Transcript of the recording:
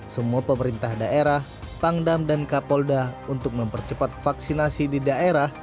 semua pemerintah daerah pangdam dan kapolda untuk mempercepat vaksinasi di daerah